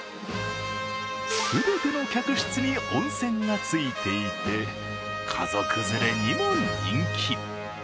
全ての客室に温泉がついていて、家族連れにも人気。